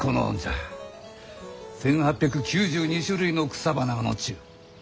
１，８９２種類の草花が載っちゅう。